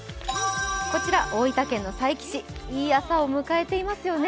こちら、大分県の佐伯市、いい朝を迎えていますよね。